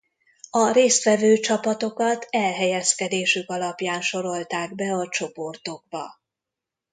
A részt vevő csapatokat elhelyezkedésük alapján sorolták be a csoportokba.